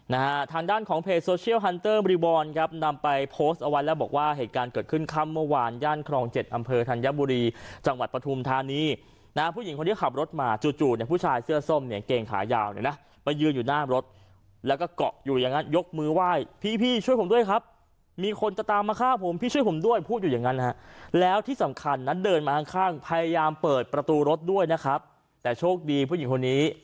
นะฮะทางด้านของเพจโซเชียลฮันเตอร์บริวอลครับนำไปโพสต์เอาไว้แล้วบอกว่าเหตุการณ์เกิดขึ้นคำเมื่อวานย่านครอง๗อำเภอธัญบุรีจังหวัดปฐุมธานีนะฮะผู้หญิงคนที่ขับรถมาจู่เนี่ยผู้ชายเสื้อส้มเนี่ยเกงขายาวเนี่ยนะไปยืนอยู่หน้ารถแล้วก็เกาะอยู่อย่างงั้นยกมือไหว้พี่ช่วยผมด้วยครับมี